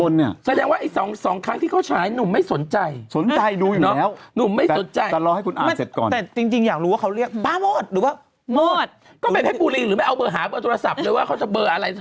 ลูกหนุ่มลูกนี้เป็นการฉายรอบที่๓หนุ่มเพิ่งมานี่